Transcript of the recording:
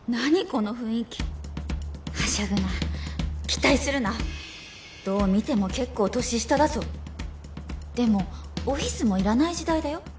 この雰囲気はしゃぐな期待するなどう見ても結構年下だぞでもオフィスもいらない時代だよ